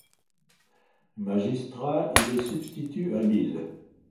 Magistrat, il est substitut à Lille.